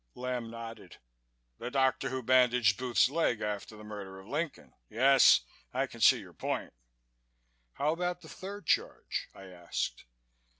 Lamb nodded. "The doctor who bandaged Booth's leg after the murder of Lincoln? Yes, I can see your point." "How about the third charge?" I asked.